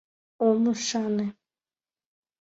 Ом ӱшане.